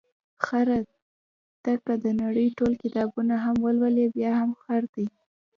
خره ته که د نړۍ ټول کتابونه هم ولولې، بیا هم خر دی.